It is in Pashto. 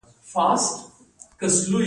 وقف شوي ملکیتونه عاید لري